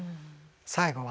最後は。